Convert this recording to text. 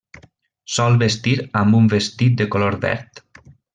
Sol vestir amb un vestit de color verd.